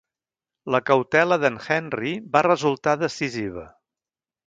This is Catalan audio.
La cautela d'en Henry va resultar decisiva.